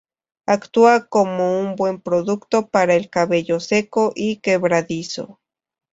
Actúa como un buen producto para el cabello seco y quebradizo.